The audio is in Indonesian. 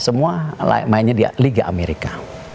semua mainnya di liga amerika